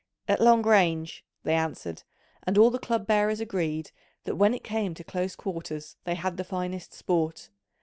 "At long range," they answered, and all the club bearers agreed that when it came to close quarters, they had the finest sport.